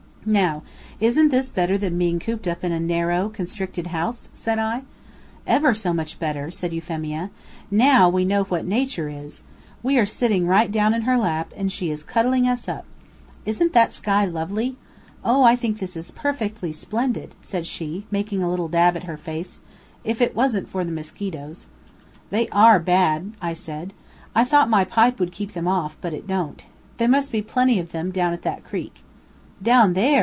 "Now isn't this better than being cooped up in a narrow, constricted house?" said I. "Ever so much better!" said Euphemia. "Now we know what Nature is. We are sitting right down in her lap, and she is cuddling us up. Isn't that sky lovely? Oh! I think this is perfectly splendid," said she, making a little dab at her face, "if it wasn't for the mosquitoes." "They ARE bad," I said. "I thought my pipe would keep them off, but it don't. There must be plenty of them down at that creek." "Down there!"